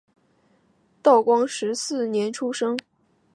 道光十四年出生。